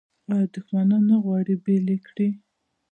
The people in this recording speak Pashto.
آیا دښمنان نه غواړي بیل یې کړي؟